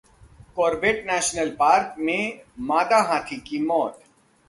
Corbett National Park में मादा हाथी की मौत